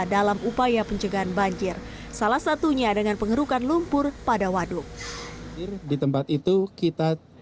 dalam upaya pencegahan banjir salah satunya dengan pengerukan lumpur pada waduk di tempat itu kita